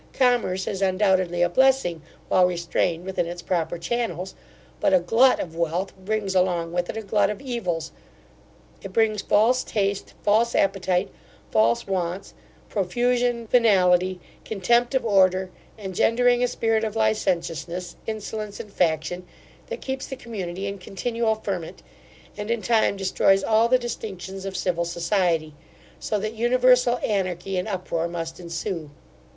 Commerce is undoubtedly a blessing, while restrained within its proper channels; but a glut of wealth brings along with it a glut of evils: it brings false taste, false appetite, false wants, profusion, venality, contempt of order, engendering a spirit of licentiousness, insolence, and faction, that keeps the community in continual ferment, and in time destroys all the distinctions of civil society; so that universal anarchy and uproar must ensue.